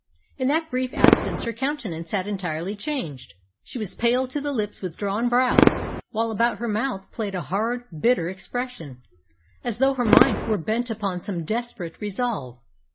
In that brief absence her countenance had entirely changed. She was pale to the lips, with drawn brows, while about her mouth played a hard, bitter expression, as though her mind were bent upon some desperate resolve.